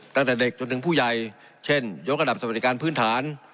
ตั้งแต่เด็กจนถึงผู้ใหญ่เช่นยกระดับสวัสดิการพื้นฐาน